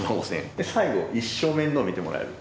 で最後一生面倒見てもらえる。